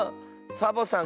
サボさん